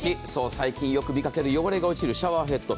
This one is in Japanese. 最近よく見かける汚れが落ちるシャワーヘッド。